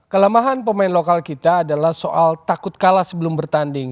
kelemahan pemain lokal kita adalah soal takut kalah sebelum bertanding